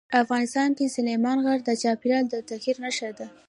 افغانستان کې سلیمان غر د چاپېریال د تغیر نښه ده.